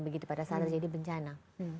begitu pada saat terjadi bencana